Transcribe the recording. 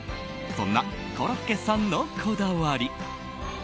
そんなコロッケさんのこだわり。